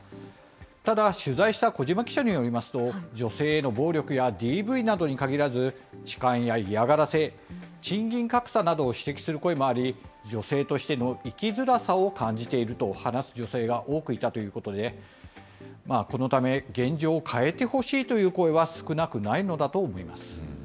ただ、取材した小島記者によりますと、女性への暴力やＤＶなどに限らず、痴漢や嫌がらせ、賃金格差などを指摘する声もあり、女性としての生きづらさを感じていると話す女性が多くいたということで、このため現状を変えてほしいという声は少なくないのだと思います。